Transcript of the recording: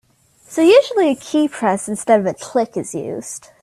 So usually a keypress instead of a click is used.